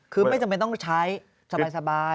คือไม่จำเป็นต้องใช้สบาย